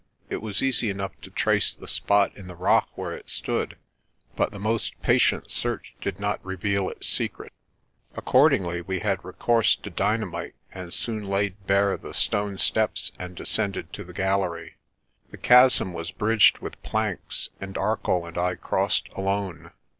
It was easy enough to trace the spot in the rock where it stood, but the most patient search did not reveal its secret. Ac cordingly we had recourse to dynamite, and soon laid bare the stone steps and ascended to the gallery. The chasm was bridged with planks and Arcoll and I crossed alone.